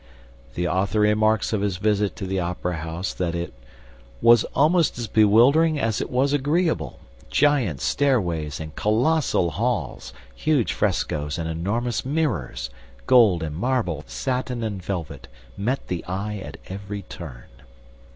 The author remarks of his visit to the Opera House that it "was almost as bewildering as it was agreeable. Giant stairways and colossal halls, huge frescoes and enormous mirrors, gold and marble, satin and velvet, met the eye at every turn."